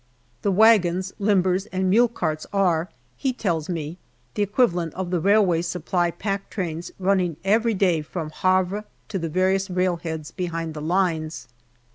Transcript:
The wagons, limbers, and mule carts are, he tells me, the equivalent of the railway Supply pack trains running every day from Havre to the various railheads 110 GALLIPOLI DIARY behind the lines.